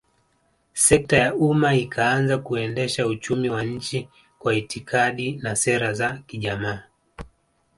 Sekta ya umma ikaanza kuendesha uchumi wa nchi Kwa itikadi na sera za kijamaa